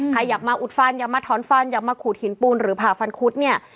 ใครอยากมาอุดฟันอย่ามาถอนฟันอยากมาขูดหินปูนหรือผ่าฟันคุดเนี่ย